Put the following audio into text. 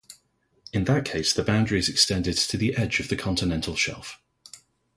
In that case, the boundary is extended to the edge of the continental shelf.